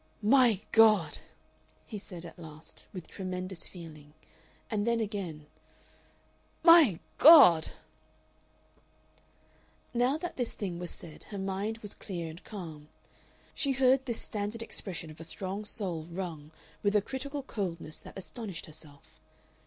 "My God!" he said at last, with tremendous feeling, and then again, "My God!" Now that this thing was said her mind was clear and calm. She heard this standard expression of a strong soul wrung with a critical coldness that astonished herself.